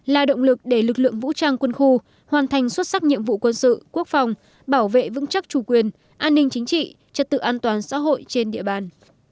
là động lực để lực lượng vũ trang quân khu hoàn thành xuất sắc nhiệm vụ quân sự quốc phòng bảo vệ vững chắc chủ quyền an ninh chính trị trật tự an toàn xã hội trên địa bàn